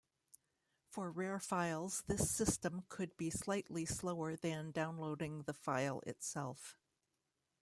For rare files this system could be slightly slower than downloading the file itself.